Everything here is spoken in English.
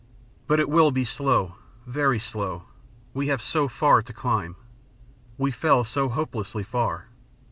"But it will be slow, very slow; we have so far to climb. We fell so hopelessly far.